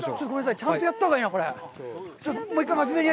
ちゃんとやったほうがいいなあ。